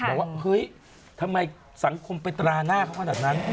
หรือว่าเฮ้ยทำไมสังคมเป็นตราหน้าเขาว่าดังนั้นให้มัน